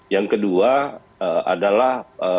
yang kedua adalah